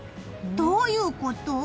どういうこと？